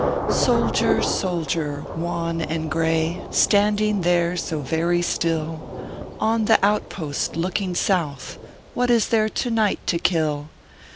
Soldier, soldier, wan and gray, Standing there so very still, On the outpost looking South, What is there to night to kill